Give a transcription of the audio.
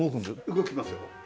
動きますよ。